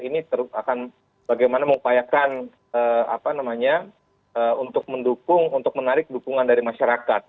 ini akan bagaimana mengupayakan apa namanya untuk mendukung untuk menarik dukungan dari masyarakat